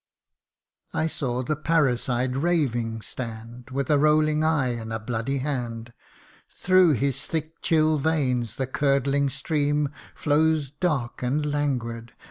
" I saw the parricide raving stand, With a rolling eye, and a bloody hand ; Through his thick chill veins the curdling stream Flows dark and languid.